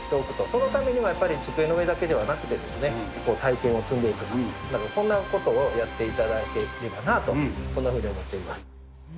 そのためにもやっぱり、机の上だけではなくて、体験を積んでいくと、そんなことをやっていただければなと、そんなふうに思っています。